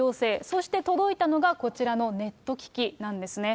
そして届いたのがこちらのネット機器なんですね。